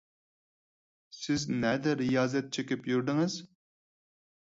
سىز نەدە رىيازەت چېكىپ يۈردىڭىز؟